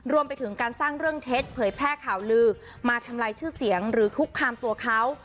รวมไปถึงการสร้างเรื่องเท็จเผยแพร่ข่าวลือมาทำลายชื่อเสียงหรือคุกคามตัวเขา